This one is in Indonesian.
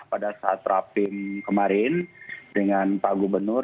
pada saat rapim kemarin dengan pak gubernur